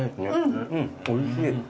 おいしい。